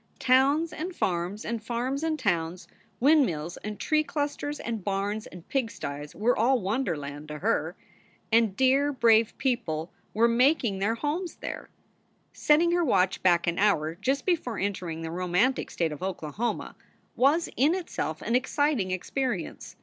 Towns and farms and farms and towns, windmills and tree clusters and barns and pigstys, were all wonderland to her. And dear, brave people were making their homes there. 7 6 SOULS FOR SALE Setting her watch back an hour just before entering the romantic state of Oklahoma was in itself an exciting experi ence.